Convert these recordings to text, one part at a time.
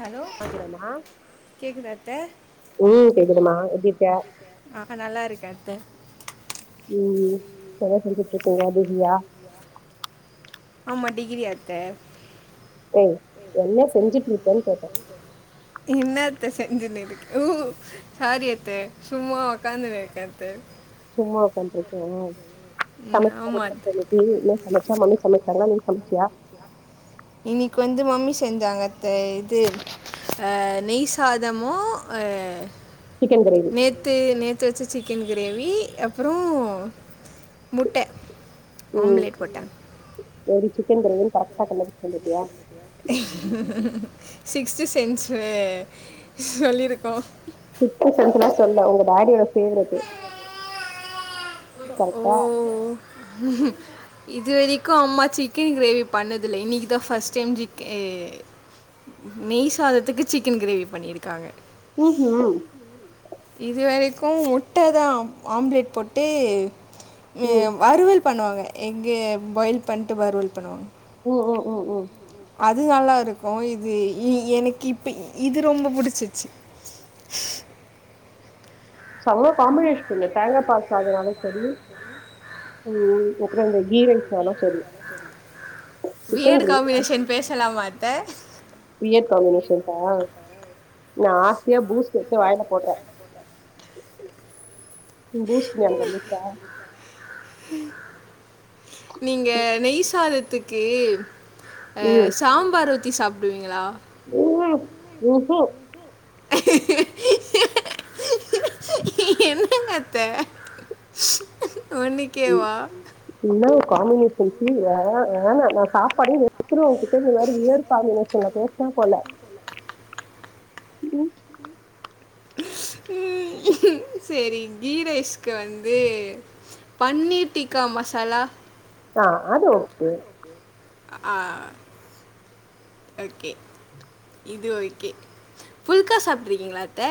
hello கேக்குதாத்த ஆஹா நல்லாருக்கே அத்த ம் செல செஞ்சுட்ருக்கீங்க பிஸியா ஆமா டிகிரி அத்த ஆ என்ன செஞ்சி இன்னாத்த செஞ்சுன்னுருக்கு ஊ சாரி அத்த சும்மா உக்காந்துனு இருக்க அத்த ம் ஆமாத் இன்னைக்கி வந்து மம்மி செஞ்சாங்க தா இது ஆ நெய் சாதமோ ஆ நேத்து நே த்து வச்ச சிக்கன் கிரேவி அப்பறோ முட்ட ஆம்லேட் போட்ட ஒரு சிக்கன் கிரேவின் [inaudible] சொல்லட்டியா சிக்ஸ்து சென்சு சொல்லிருக்கோ [inaudible] சொல்ல உங்க டாடியோட பேவரட்டு கரெக்ட்டா உஹம் இது வரைக்கு அம்மா சிக்கன் கிரேவி பண்ணதுல இன்னைக்குதா பஸ்ட் டைம் ஜி கே நெய் சாதத்துக்கு சிக்கன் கிரேவி பண்ணிருக்காங்க [unintelligible] இதுவரைக்கு முட்ட தா ஆம்லேட் போட்டு ஆ வறுவல் பண்ணுவாங்க எக்கு பாயில் பண்ணிட்டு வறுவல் பண்ணுவாங்க ம் ம் ம் ம் அது நல்லாருக்கு இது ஈ எனக்கு இப்ப இது ரொம்ப புடிசிச்சி செம காம்பினேஷன் இல்ல தேங்கா பால் சாதனால சரி ம் அப்பற இந்த கீரைஸ் ஆனா சரி பி எட் காம்பினேஷன் பேசலாமா அத்த பி எட் காம்பினேஷன் பா நா ஆசையா பூஸ்ட்டு எடுத்து வாயில போட்ர பூஸ்ட் நியாபக வந்துடுத்தா நீங்க நெய் சாதத்துக்கு ஆ சாம்பார் ஊத்தி சாப்டுவீங்களா ம் ம்ஹும் என்னங்கத்த ஒன்னுக்கேவா என்னங்க காம்பினேஷன் சீ வேணா வேணா நா சாப்பாடே வெறுத்ருவே [unintelligible] கம்பினேசன்ல பேசலா போல ம் செரி கீ ரைஸ்க்கு வந்து பன்னீர் டிக்கா மசாலா ஆ ஒகே இது ஓகே புல்கா சாப்புட்றீக்ங்களா அத்த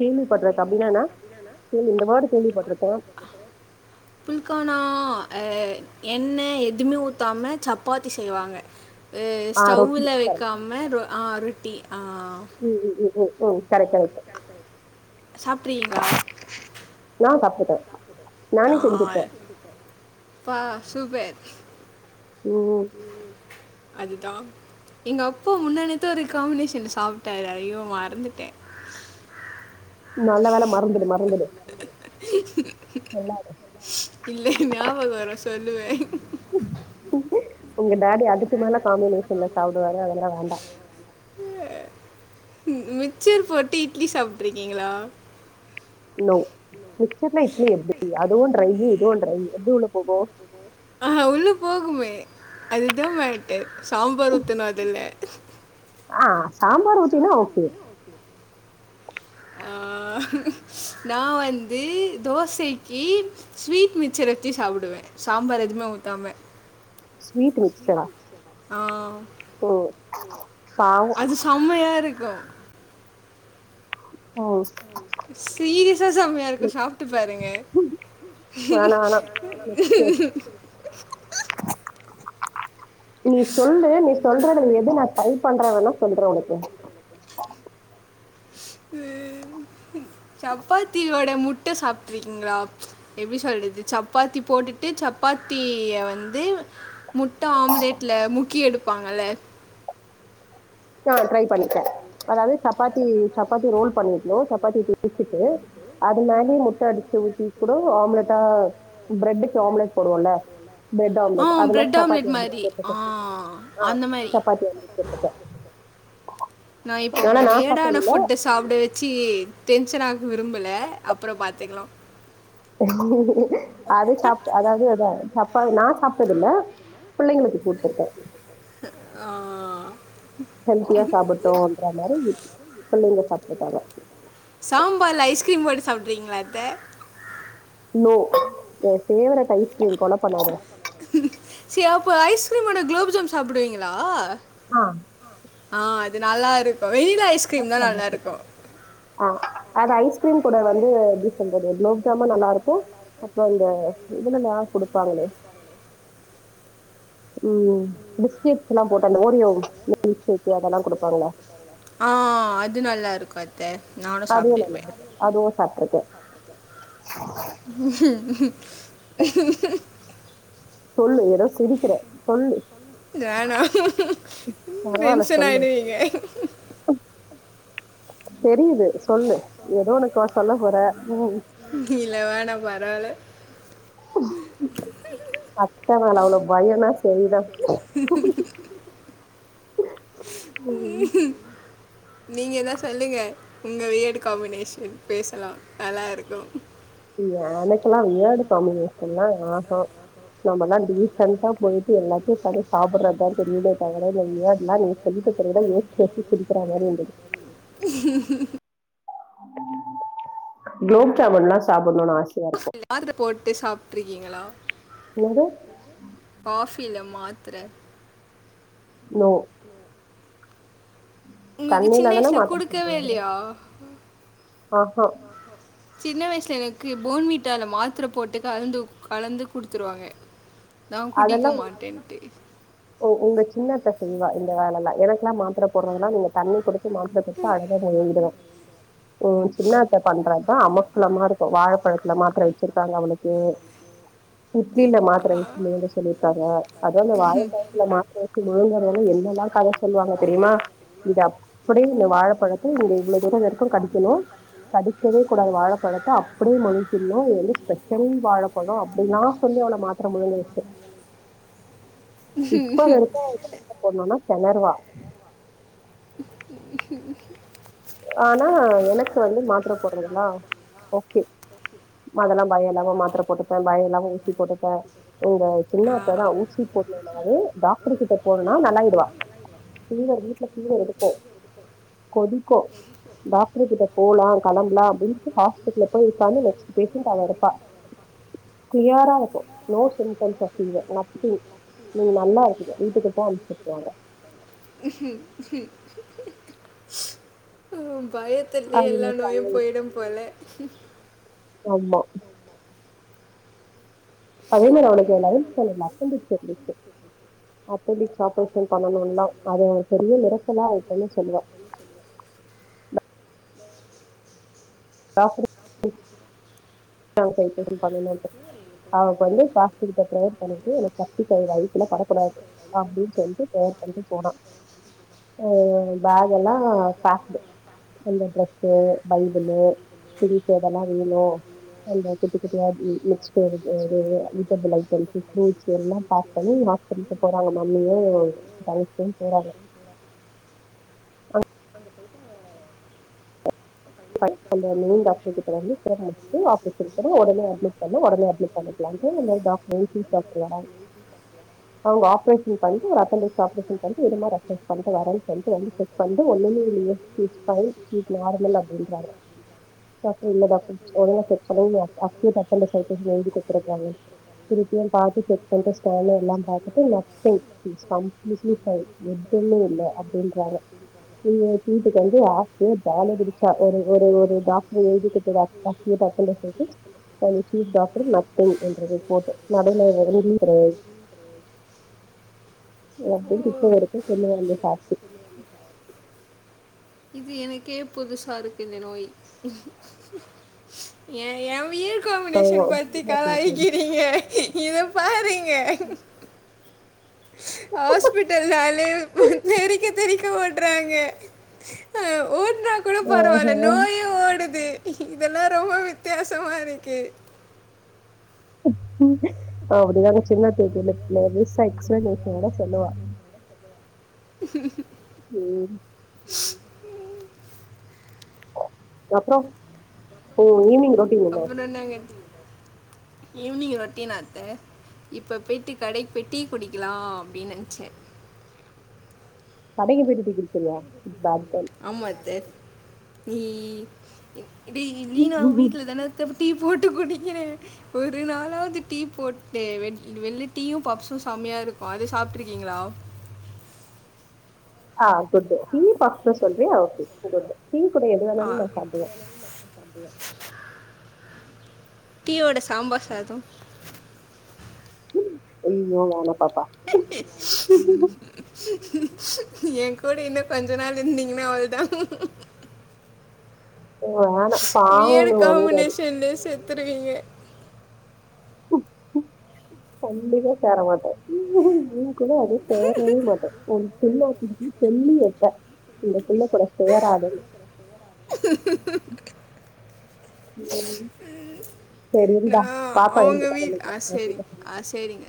கேள்விப்பட்ருக்க அப்டினா என்னா சேம் இந்த வேடு கேள்விப்பட்ருக்கே புல்கானா எ எண்ணெ எதுமே ஊத்தாம சப்பாத்தி செய்வாங்க எ ஸ்டவ்வுல வெக்காமல் ரொ அ ரொட்டி அ ம் ம் ம் ம் ம் கரெக் கரெக்ட்டு சாப்ட்ரிக்கீங்ளா நா சாப்ட்ருக்க நானே செஞ்சிப்பே ஃபா சூப்பர் ம் ம் அதுதா எங்களஅப்பா முன்னாநேத்து ஒரு காம்பினேஷன்ல சாப்ட்டார் ஐயோ மறந்துட்டே நல்ல வேல மறந்திடு மறந்திடு என்னாது இல்ல ஞாபக வரு சொல்லுவே உங்க டாடி அதுக்கு மேல காம்பினேஷன்ல சாப்டுவாரு அதனால வேண்டா ம் மிச்சரு போட்டு இட்லி சாப்ட்ருக்கீங்களா நோ மிச்சர்ல இட்லி எப்டி அதுவு ட்ரையி இதுவு ட்ரை எப்டி உள்ள போகு ஆ உள்ள போகுமே அதுதா மேட்டர் சாம்பார் ஊத்தணு அதுல ஆ சாம்பார் ஊத்தினா ஓகே ஆ நா வந்து தோசைக்கி ஸ்வீட் மிச்சர் வெச்சி சாப்புடுவே சாம்பார் எதுமே ஊத்தாம ஆ அது சம்மையா இருக்கு ம் சீரியஸா சம்மையா இருக்கு சாப்ட்டு பாருங்க நீ சொல்லு நீ சொல்றது எது நா ட்ரை பண்ற வேணா சொல்றே உனக்கு சப்பாத்தியோட முட்ட சாப்ட்ருக்கீங்ளா எப்டி சொல்றது சப்பாத்தி போட்டுட்டு சப்பாத்திய வந்து முட்ட ஆம்லேட்ல முக்கி எடுப்பாங்கல்ல ஆ ட்ரை பண்ணிற்கே அதாவது சப்பாத்தி சப்பாத்தி ரோல் பண்ணிட்னு சப்பாத்தி தேச்சிட்டு அது மேலே முட்ட அடிச்சி ஊத்தி கூடோ ஆம்லெட்டா ப்ரெட்க்கு ஆம்லெட் போடுவோல்ல ப்ரெட் ஆம்லெட் அது மாரி சப்பாத்தி ஆம்லெட் போட்டுட்டு ஆ சப்பாத்தி ஆம்லெட் போட்டுட்ட நா இப்போ உங்க வியடான ஃபுட்டு சாப்ட வெச்சி டென்ஷன் ஆக்க விரும்பல அப்புற பாத்துக்லா அது சாப்ட் அதாவது அதா சாப்பா நா சாப்ட்டது இல்ல பிள்ளைங்களுக்கு குடுத்துருக்க ஆ ஹெல்த்தியா சாப்புட்டுன்ற மாரி பிள்ளைங்க சாப்ட்ருக்காங்க சாம்பார்ல ஐஸ்கிரீம் போட்டு சாப்ட்டு இருக்கீங்ளா அத்த நோ எ ஃபேவரட் ஐஸ்கிரீம் கொல பண்ணாத சே அப்போ ஐஸ்கிரீமோட குலோப் ஜாம் சாப்டுவீங்களா ஆ ஆ அது நல்லா இருக்கு வெயிலை [unintelligible] ஆ அத ஐஸ்க்ரீம் கூட வந்து எப்டி சொல்றது குலாப் ஜாமு நல்லா இருக்கு அப்போ இந்த இதுலலா குடுப்பாங்களே ம் பிஸ்கட்ஸ்ல்லா போட்ட அந்த ஓரியோ பிஸ்கட்டு அதெல்லா குடுப்பாங்கள ஆ ஆ ஆ அது நல்லா இருக்கு அது த நா அதுவு [unintelligible] அதுவு சாப்ட்ருக்க [inaudible] சொல்லு ஏதோ சிரிக்கிற சொல்லு வேனா டென்ஷன் ஆய்டுவீங்க தெரியுது சொல்லு ஏதோ உனக்கோசோ சொல்ல போற ம் இல்ல வேணா பரவால [inaudible] அத்த மேல அவ்ளோ பயோனா சரிதா ம் நீங்க எதுனா சொல்லுங்க உங்க வியர்டு காம்பினேஷன் பேசலா நல்லா இருக்கு எனக்கெல்லா வியர்டு காம்பினேஷன்ல்லா ஆஹா நம்மல்லா டீசெண்டா போய்ட்டு எல்லாத்தையு [unintelligible] சாப்பிட்றதா தெரியமே தவிர இந்த வியர்ட்லாம் வந்துட்ட பிறகு தா யோசிச்சு யோசிச்சு சிரிக்கிற மாரி இருந்தது [inaudible] குலோப் ஜாமுன்லா சாப்புட்ணுனு ஆசையா இருக்கு ஆர்டரு போட்டு சாப்ட்ருக்கீங்களா என்து காபிஃல மாத்திர ஓ போ உங்கக்கு சின்ன வயசுல குடுக்கவே இல்லையா சின்ன வயசில எனக்கு போன் வீட்டால மாத்திர போட்டுக் கலந்து கலந்து குடுத்துருவாங்க நா குடிக்க மாட்டேன்ட்டு ஓ உங்க சின்ன பசங்க இந்த வேலல்லா எனக்குல்லா மாத்திர போடுறதுனா நீங்க தண்ணி குடுத் து மாத்ர குடுத்தா அங்கே தாமுழுங்கிடுவ ம் சின்னத்தா பண்ற அமர்களமா இருக்கு வாழைப்பழத்துல மாத்திர வச்சிருக்காங்க அவனுக்கு புத்தில மாத்திர வச்சு முழுங்க சொல்லிருக்காங்க அதா அந்த வாழை உள்ள மாத்திர வச்சி முழுங்க என்னெல்லா கத சொல்லுவாங்க தெரிமா இத அப்படியே இந்த வாழைப்பழத்த நீங்க இவ்ளோ தூரோ வரைக்கு கடிக்கணும் கடிக்கவே கூடாது வாழப்பழத்த அப்படியே மன்னிசிட்ணு இது வந்து ஸ்பெஷல் வாழப்பழோ அப்டில்லா சொல்லி அவனா மாத்த டம்ளர்ல வெஸ்ட்டே இப்போ வரைக்கு அவ மாத்திர போடணும்னா தெணருவா [inaudible] ஆனா எனக்கு வந்து மாத்தர போட்றதுலா ஓகே அதெல்லா பயோ இல்லாம மாத்தர போட்டுப்பா பயோ இல்லாம ஊசி போட்டுப்பா எங்க சின்னா அத்தா தா ஊசி போட்ணுனாவை டாக் டர் கிட்ட போணும்னா நல்லாயிடுவா பீவர் வீட்ல பீவர் எடுக்கு கொதிக்கு டாக்டர் கிட்ட போலா களம்பலா அப்டின்ட்டு ஹாஸ்பிட்டல்ல போயி ஒக்காந்து நெக்ஸ்ட் பேஷண்ட் அவ இருப்பா கிளியரா இருக்கு no symptoms of fever nothing நீ நல்லா இருக்குற வீட்டுக்கு தா அம்சுவிட்ருவாங்க [inaudible] ம் பயத்துலே எல்லா நோயு போயிடும் போல ஆமா அதே மாரி அவனுக்கு நயன்த் ஸ்டாண்டர்ல அப்பன்டீஸ் இருந்துச்சி அப்பண்டீஸ் ஆப்பரேஷன் பண்ணணும்லா அது பெரிய மிரக்கலா ஆயிட்டேன்னு சொல்லுவே டாக்டரு அப்பன்டிஸ் ஆப்ரேஷன் பண்ணனும் இன்ட்டு அவனுக்கு வந்து ஃபாஸ்டரு கிட்ட பிரேயர் பண்ணிட்டு எனக்கு கத்தி [unintelligible] படக்கூடாது அப்டின் சொல்லிட்டு பிரேயர் பன்னிட்டு போனா ம் பேகெல்லா பேக்குடு உள்ள ட்ரெஸ்சு பைபிலு திருச்சேதெல்லா விவிலியோ எல்லா குட்டிகுட்டியா [unintelligible] ஃப்ரூட்ஸ் எல்லா பேக் பண்ணி சிரிக்கப் போறாங்க மம்மியு பளிச்சின்னு போறாங்க அ [inaudible] அந்த நிவின் டாக்டர் கிட்ட வந்து அப்றம் முஷ்டு ஆப்ரேஷன் பண்ணி ஒடனே அட்மிட் பண்ணி ஒடனே அட்மிட் பண்ணிக்கலான்ட்டு இன்னொரு டாக்டரு சீஃப் டாக்டர் வராங்க அவுங்க ஆப்ரேஷன் பண்ணிட்டு ஒரு அப்பன்டீஸ் ஆப்ரேஷன் பண்ணிட்டு இருமா ரெப்ரஸ் பண்ணிட்டு வரேனு சொல்லிட்டு வந்து செக் வந்து ஒன்னுமே இல்லியே இட்ஸ் பைன் இட்ஸ் நார்மல் அப்டின்றாரு டாக்டர் இல்ல டாக்டர் ஒழுங்கா செக் பண்ணுங்க அப்டேட் அப்பன்டிஸ் சைக்கிள்ஸ் எழுதிக் குடுத்து இருக்காங்கன்னு திருப்பியு பாத்து செக் பண்ணிட்டு ஸ்கேன் எல்லா பாத்துட்டு நத்திங் ஹி ஹிஸ் கம்ப்ளீட்லிஃபைன் எதுவுமே இல்ல அப்டின்றாங்க நீயே வீட்டுக்கு வந்து ஹாஸ்டலே காலியாகுது சோ ஒரு ஒரு ஒரு டாக்டர் எழுதிக்குடுத்தத அப்டியே டஸ்ட்பின்ல போட்டு ஒன் சீஃப் டாக்டர் நத்திங் என்ற ரிப்போர்ட் நடுவுல எந்த [unintelligible] கெடையாது எப்டியு கிட்ட வரத்து சொல்ல வந்த சாப்புட்டு இது எனக்கே புதுசா இருக்கு இந்த நோய் எயா எயா மீன் காம்பினேஷன் பத்தி கலய்க்கிறீங்க ஏ இத பாருங்க ஹாஸ்பிட்டல் நாலே தெரிக்க தெரிக்க ஓட்றாங்க அது கூட பரவால்ல நோயு ஓடுது இதெல்லா ரொம்ப வித்தியாசமா இருக்கு அப்டிதா எயா சின்னது சொல்லு நா பெருசா எக்ஸ்பிளனேஷனோடு சொல்லுவா ம் அப்பறோ ஒங்க ஈவினிங் ரொ அப்பறோ என்னங்க ஈவினிங் ரொட்டினாத்த இப்ப போய்ட்டு கடைக் போய்ட் டீ குடிக்கலா அப்டின் நென்ச்சே கடைக்கி போய்ட்டு டீ குடிக்க போறியா பேட் கேல் ஆமா அத்த நீ நீ லீனா வீட்ல தான அத்த டீ போட்டு குடிக்கிறே ஒரு நாளாவது டீ போட்டு வெ வெள்ள டீயு பப்ஸு செம்மையா இருக்கு அது சாப்ட்டுருக்கீங்களா ஆ குட் டீ பப்ஸு சொல்றியா ஓகே டீ கூட எது வேணாலு நா சாப்ட்டுவே டீயோட சாம்பார் சாதோ அய்யயோ வேணா பாப்பா எங் கூட இன்னு கொஞ்ச நாள் இருந்தீங்கன்னா அவ்ளோதா வியடு காம்பினேஷன்லய செத்துருவீங்க கண்டிபா சோர மாட்ட உங் கூட அது சேரவே மாட்ட ஒ புள்ள [unintelligible] சொல்லி வெப்பா இந்த புள்ள கூட சேராதன்னு [inaudible] நா அவங்க வீ அ சேரி ஆ சேரிங்க